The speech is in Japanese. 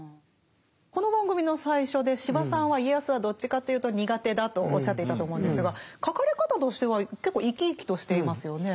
この番組の最初で司馬さんは家康はどっちかというと苦手だとおっしゃっていたと思うんですが書かれ方としては結構生き生きとしていますよね。